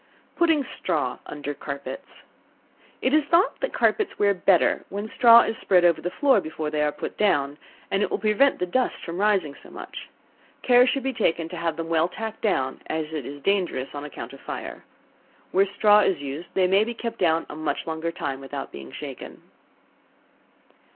Putting Straw under Carpets. It is thought that carpets wear better when straw is spread over the floor before they are put down, and it will prevent the dust from rising so much. Care should be taken to have them well tacked down, as it is dangerous on account of fire. Where straw is used, they may be kept down a much longer time without being shaken.